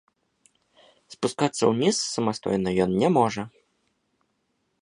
Спускацца ўніз самастойна ён не можа.